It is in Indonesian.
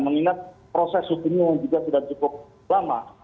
mengingat proses hukumnya juga sudah cukup lama